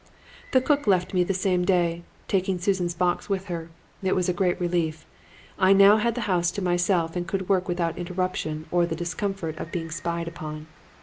"The cook left me the same day, taking Susan's box with her. It was a great relief. I now had the house to myself and could work without interruption or the discomfort of being spied upon.